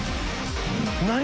何？